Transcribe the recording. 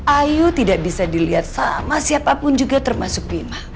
ayu tidak bisa dilihat sama siapapun juga termasuk bima